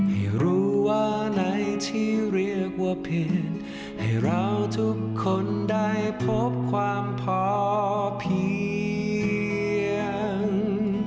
ให้รู้ว่าไหนที่เรียกว่าเพลงให้เราทุกคนได้พบความพอเพียง